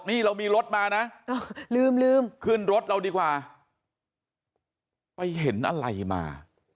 นี่เรามีรถมานะลืมลืมขึ้นรถเราดีกว่าไปเห็นอะไรมา